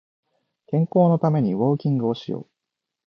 健康のためにウォーキングをしよう